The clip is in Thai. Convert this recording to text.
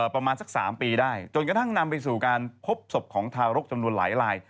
ประมาณสัก๓ปีได้จนกระทั่งนำไปสู่การพบศพของทารกจำนวนหลายลาย